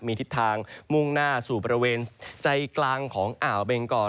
มีทิศทางมุ่งหน้าสู่บริเวณใจกลางของอ่าวเบงกอ